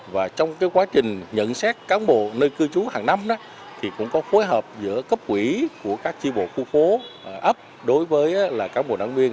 và trong quá trình nhận xét cán bộ nơi cư trú hàng năm thì cũng có phối hợp giữa cấp quỹ của các chi bộ khu phố ấp đối với cán bộ đảng viên